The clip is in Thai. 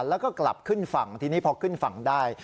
แล้วก็กลับขึ้นฝั่งทีนี้พอขึ้นฝั่งได้